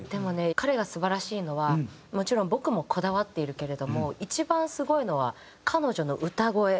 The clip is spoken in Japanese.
彼が素晴らしいのは「もちろん僕もこだわっているけれども一番すごいのは彼女の歌声なんだ」って。